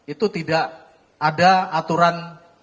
itu tidak ada aturan